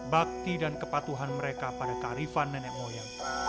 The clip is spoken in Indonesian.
bakti dan kepatuhan mereka pada karifan nenek moya